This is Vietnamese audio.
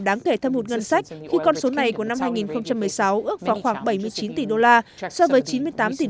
đáng kể thâm hụt ngân sách khi con số này của năm hai nghìn một mươi sáu ước vào khoảng bảy mươi chín tỷ đô la so với chín mươi tám tỷ